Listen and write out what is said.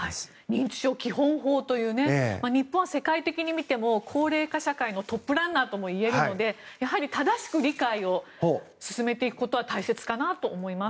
認知症基本法という日本は世界的に見ても高齢化社会のトップランナーともいえるのでやはり正しく理解を進めていくことは大切かなと思います。